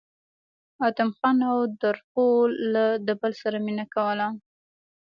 ادم خان او درخو له د بل سره مينه کوله